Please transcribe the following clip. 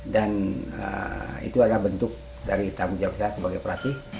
dan itu adalah bentuk dari tanggung jawab saya sebagai pelatih